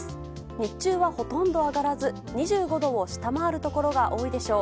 日中はほとんど上がらず２５度を下回るところが多いでしょう。